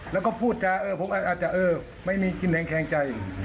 แล้วพูดเออผมอาจจะ๐ไม่มีที่แหน่งแข็งใจ